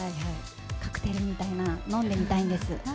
カクテルみたいなの飲んでみたいんです。